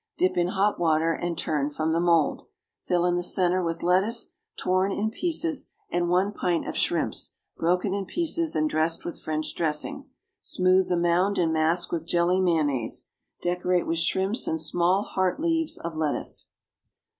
Dip in hot water and turn from the mould. Fill in the centre with lettuce, torn in pieces, and one pint of shrimps, broken in pieces and dressed with French dressing. Smooth the mound and mask with jelly mayonnaise. Decorate with shrimps and small heart leaves of lettuce.